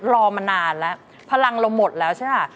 รอมานานแล้วพลังเราหมดแล้วใช่ป่ะ